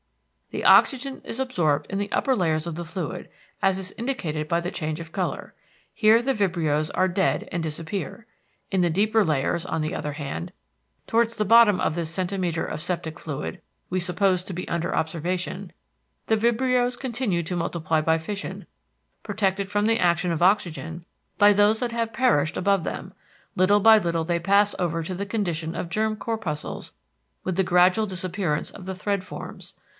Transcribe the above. The oxygen is absorbed in the upper layers of the fluid—as is indicated by the change of color. Here the vibrios are dead and disappear. In the deeper layers, on the other hand, towards the bottom of this centimeter of septic fluid we suppose to be under observation, the vibrios continue to multiply by fission—protected from the action of oxygen by those that have perished above them: little by little they pass over to the condition of germ corpuscles with the gradual disappearance of the thread forms.